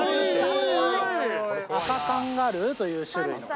アカカンガルーという種類の。